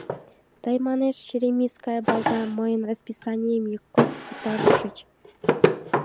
Тый, манеш, черемисская балда, мыйын расписанием йыклык пытарышыч.